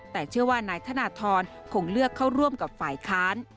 แต่เชื่อว่านายธนทรคงเลือกเข้าร่วมกับฝ่ายค้าน